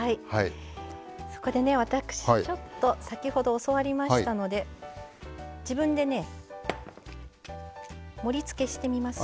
そこでね私ちょっと先ほど教わりましたので自分でね盛りつけしてみますよ。